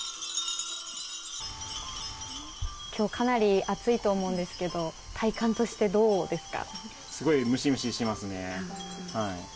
今日かなり暑いと思うんですが体感として、どうですか。